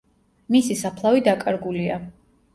მისი საფლავი დაკარგულია.